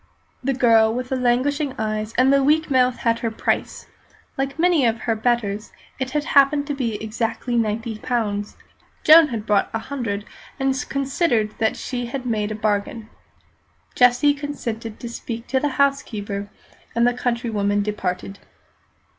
The girl with the languishing eyes and the weak mouth had her price, like many of her betters, and it happened to be exactly ninety pounds. Joan had brought a hundred, and considered that she had made a bargain. Jessie consented to speak to the housekeeper, and the countrywoman departed.